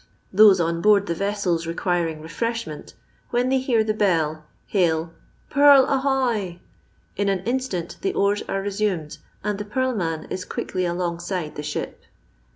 Those on board the vessels requiring refreshment, when they hear the bell, hail " Purl ahoy ; in an Instant the oars are resumed, and the purl man is qidcUy alongside the ship.